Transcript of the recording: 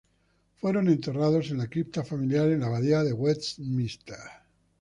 Fueron enterrados en la cripta familia de la abadía de Westminster.